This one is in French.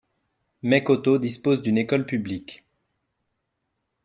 Mekoto dispose d'une école publique.